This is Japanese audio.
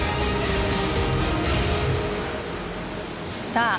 さあ